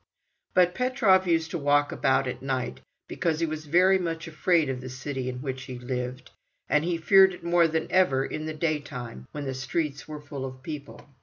But Petrov used to walk about at night, because he was very much afraid of the city in which he lived, and he feared it more than ever in the daytime, when the streets were full of people.